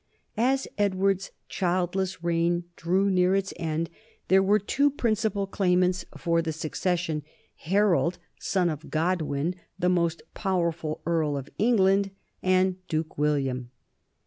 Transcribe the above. As Edward's childless reign drew near its end, there were two principal claimants for the succession, Harold, son of Godwin, the most powerful earl of England, and Duke William.